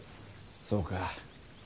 そうか。